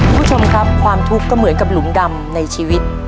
คุณผู้ชมครับความทุกข์ก็เหมือนกับหลุมดำในชีวิต